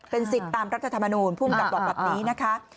เป็นสิทธิ์ตามรัฐธรรมนูญภูมิกับบอกแบบนี้นะคะ